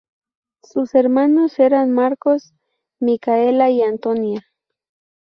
Sus hermanos eran Marcos, Micaela y Antonia.